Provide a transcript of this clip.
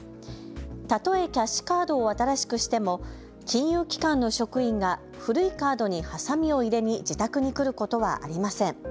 たとえキャッシュカードを新しくしても金融機関の職員が古いカードにハサミを入れに自宅に来ることはありません。